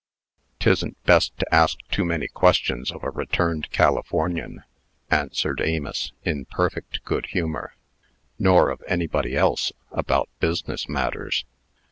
"'Tisn't best to ask too many questions of a returned Californian," answered Amos, in perfect good humor. "Nor of anybody else, about business matters.